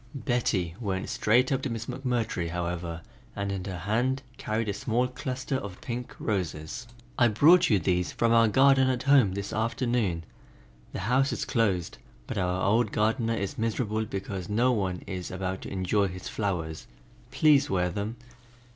Betty went straight up to Miss McMurtry, however, and in her hand carried a small cluster of pink roses. "I brought you these from our garden at home this afternoon; the house is closed, but our old gardener is miserable because no one is about to enjoy his flowers. Please wear them."